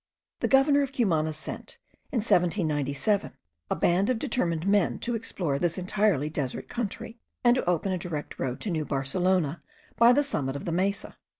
The governor of Cumana sent, in 1797, a band of determined men to explore this entirely desert country, and to open a direct road to New Barcelona, by the summit of the Mesa.